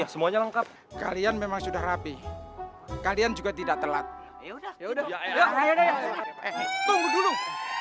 semua nya lengkap kalian memang sudah rapi kalian juga tidak telat ya udah ya udah